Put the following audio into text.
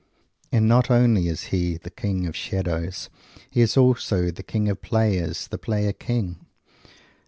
And not only is he the king of Shadows; he is also the king of Players, the Player King.